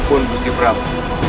ampun busti prabu